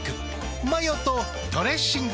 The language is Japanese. マヨとドレッシングで。